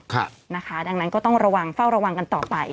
ค่ะนะคะดังนั้นก็ต้องระวังเฝ้าระวังกันต่อไป